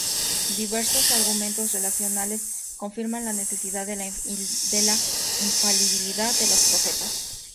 Diversos argumentos racionales confirman la necesidad de la infalibilidad de los Profetas.